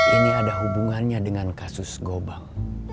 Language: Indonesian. ini ada hubungannya dengan kasus gobang